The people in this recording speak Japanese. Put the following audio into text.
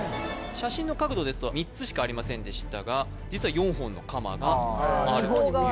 写真の角度ですと３つしかありませんでしたが実は４本の鎌があるということです